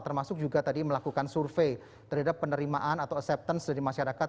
termasuk juga tadi melakukan survei terhadap penerimaan atau acceptance dari masyarakat